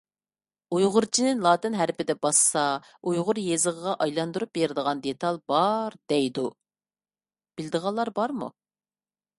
ئۇيغۇرچىنى لاتىن ھەرپىدە باسسا ئۇيغۇر يېزىقىغا ئايلاندۇرۇپ بېرىدىغان دېتال بار دەيدۇ؟ بىلىدىغانلار بارمۇ؟